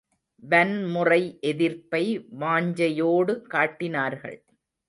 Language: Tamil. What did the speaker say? வன்முறை எதிர்ப்பை வாஞ்சையோடு காட்டினார்கள்.